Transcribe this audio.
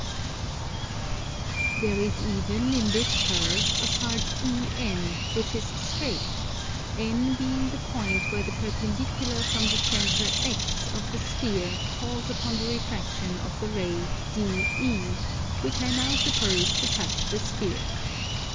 There is even, in this curve, a part EN which is straight, N being the point where the perpendicular from the centre X of the sphere falls upon the refraction of the ray DE, which I now suppose to touch the sphere.